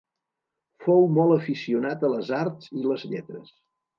Fou molt aficionat a les arts i les lletres.